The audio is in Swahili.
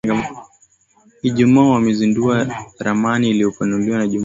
Ijumaa wamezindua ramani iliyopanuliwa ya Jumuiya ya Afrika Mashariki